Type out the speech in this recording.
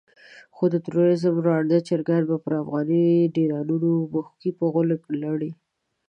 خو د تروريزم ړانده چرګان به پر افغاني ډيرانونو مښوکې په غولو لړي.